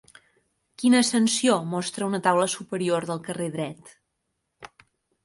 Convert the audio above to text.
Quina ascensió mostra una taula superior del carrer dret?